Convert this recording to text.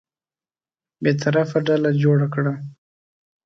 بېطرفه ډله جوړه کړه.